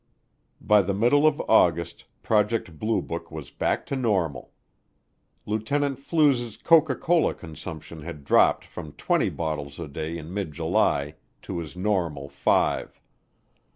By the middle of August, Project Blue Book was back to normal. Lieutenant Flues's Coca Cola consumption had dropped from twenty bottles a day in mid July to his normal five.